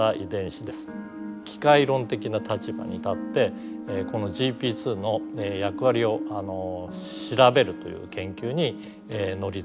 機械論的な立場に立ってこのＧＰ２の役割を調べるという研究に乗り出したわけです。